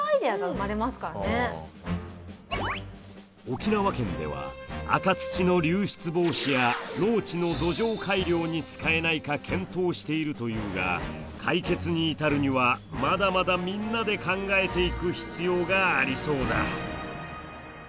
沖縄県では赤土の流出防止や農地の土壌改良に使えないか検討しているというが解決に至るにはまだまだみんなで考えていく必要がありそうだ。